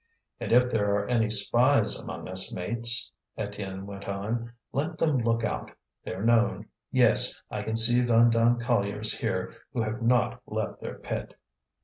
"And if there are any spies among us, mates," Étienne went on, "let them look out; they're known. Yes, I can see Vandame colliers here who have not left their pit."